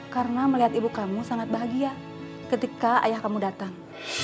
karena melihat ibu kamu sangat bahagia ketika ayah kamu datang